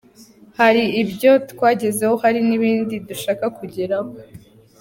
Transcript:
Hari ibyo twagezeho hari n’ibindi dushaka kugeraho.